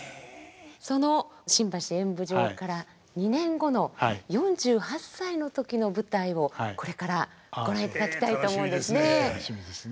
その新橋演舞場から２年後の４８歳の時の舞台をこれからご覧いただきたいと思うんですね。